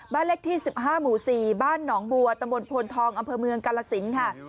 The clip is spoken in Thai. บ้านเล็กที่สิบห้าหมู่สี่บ้านหนองบัวตะบนพลทองอำเภอเมืองกาลสินค่ะ